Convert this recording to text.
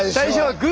グー！